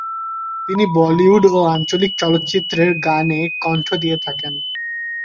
তিনি বলিউড ও আঞ্চলিক চলচ্চিত্রের গানে কণ্ঠ দিয়ে থাকেন।